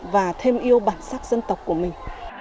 và thêm yêu bản sắc dân tộc của mình